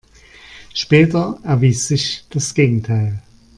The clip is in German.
Später erwies sich das Gegenteil.